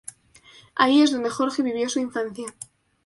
Ahí es donde Jorge vivió su infancia.